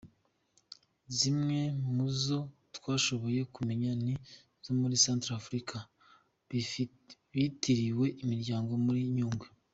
Zimwe muzo twashoboye kumenya nizo muri Centre Afrika, bitiriye imirwano muri Nyungwe.